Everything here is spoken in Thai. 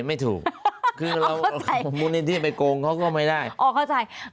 ไม่ถูกคือเรามูลนิธิไปโกงเขาก็ไม่ได้อ๋อเข้าใจ